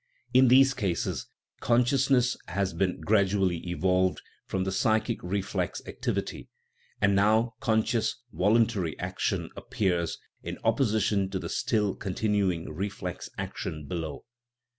In these cases consciousness has been gradually evolved from the psychic reflex ac tivity, and now conscious, voluntary action appears, in opposition to the still continuing reflex action below.